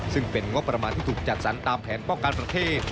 ซึ่งเป็นงบประมาณที่ถูกจัดสรรตามแผนป้องกันประเทศ